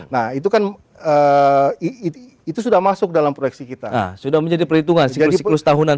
nah itu kan itu sudah masuk dalam proyeksi kita sudah menjadi perhitungan sejak sepuluh tahunan